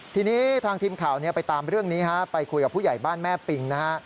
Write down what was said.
ทีนี้ทางทีมข่าวไปตามเรื่องนี้ฮะไปคุยกับผู้ใหญ่บ้านแม่ปิงนะฮะ